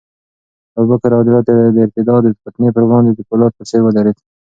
ابوبکر رض د ارتداد د فتنې پر وړاندې د فولاد په څېر ودرېد.